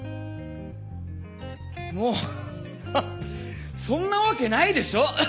もうそんなわけないでしょ！